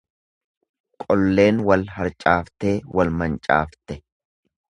Qolleen wal harcaaftee wal mancaafte.